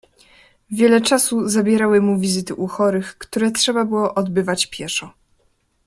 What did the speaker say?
"Wiele czasu zabierały mu wizyty u chorych, które trzeba było odbywać pieszo."